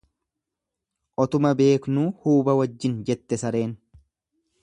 Otuma beeknuu huba wajjin jette sareen.